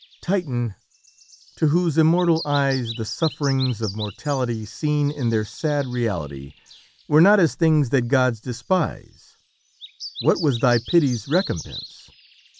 "Titan! to whose immortal eyes The sufferings of mortality Seen in their sad reality, Were not as things that gods despise; What was thy pity's recompense?